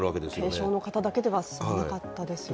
軽傷の方だけでは済まなかったですよね。